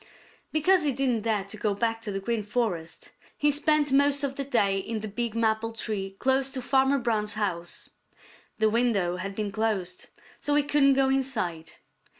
Because he didn't dare to go back to the Green Forest, he spent most of the day in the big maple tree close to Farmer Brown's house. The window had been closed, so he couldn't go inside.